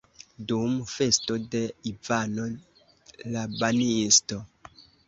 Dum festo de Ivano la Banisto!